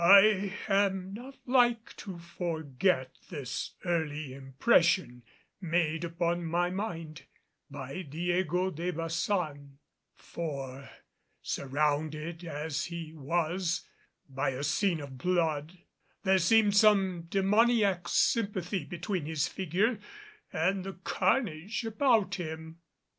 I am not like to forget this early impression made upon my mind by Diego de Baçan; for, surrounded as he was by a scene of blood, there seemed some demoniac sympathy between his figure and the carnage about him.